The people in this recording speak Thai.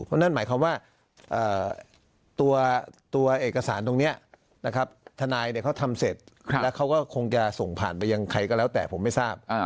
เพราะนั่นหมายความว่าตัวเอกสารตรงนี้นะครับทนายเขาทำเสร็จแล้วเขาก็คงจะส่งผ่านไปยังใครก็แล้วแต่ผมไม่ทราบ